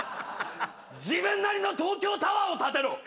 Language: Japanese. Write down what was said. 自分なりの東京タワーを建てろ。